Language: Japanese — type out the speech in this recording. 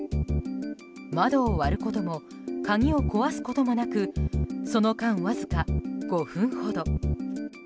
窓を割ることも鍵を壊すこともなくその間、わずか５分ほど。